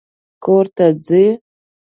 کور ته ځې؟